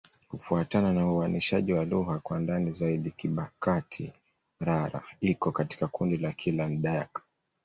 Kufuatana na uainishaji wa lugha kwa ndani zaidi, Kibakati'-Rara iko katika kundi la Kiland-Dayak.